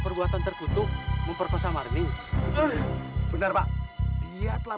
perbuatan terkutuk yg atea